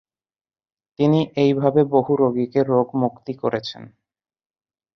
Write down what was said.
তিনি এইভাবে বহু রোগীকে রোগ মুক্তি করেছেন।